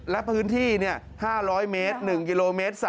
และพื้นที่๕๐๐เมตร๑กิโลเมตร